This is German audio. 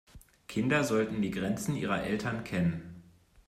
Kinder sollten die Grenzen ihrer Eltern kennen.